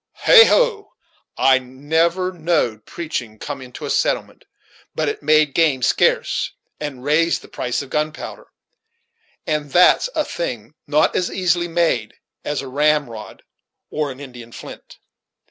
Heigh ho! I never know'd preaching come into a settlement but it made game scarce, and raised the price of gunpowder; and that's a thing that's not as easily made as a ramrod or an Indian flint."